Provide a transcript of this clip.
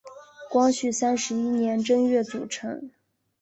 光绪三十一年正月组成。